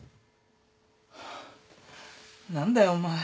何だよお前。